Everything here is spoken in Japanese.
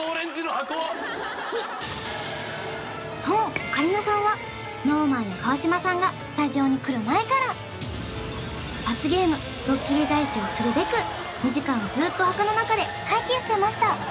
そうオカリナさんはＳｎｏｗＭａｎや川島さんがスタジオに来る前から罰ゲームドッキリ返しをするべく２時間ずーっと箱の中で待機してました